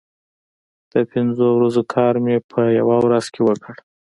د پنځو ورځو کار مې په یوه ورځ وکړ.